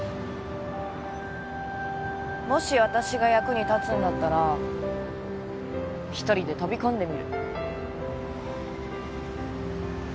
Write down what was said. もし私が役に立つんだったら一人で飛び込んでみる